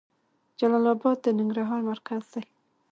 جلال اباد د ننګرهار مرکز ده.